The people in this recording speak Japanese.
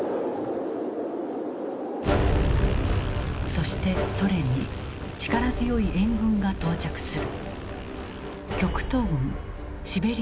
そしてソ連に力強い援軍が到着する。